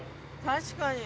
確かに。